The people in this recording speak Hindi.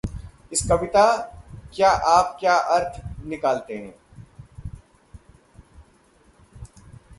इस कविता क्या आप क्या अर्थ निकालते हैं?